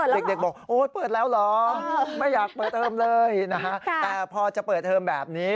เด็กบอกโอ๊ยเปิดแล้วเหรอไม่อยากเปิดเทอมเลยนะฮะแต่พอจะเปิดเทอมแบบนี้